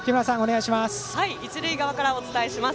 一塁側からお伝えします。